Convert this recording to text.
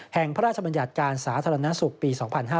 แห่งพระราชบรรยัติการสาธารณสุขปี๒๕๓๕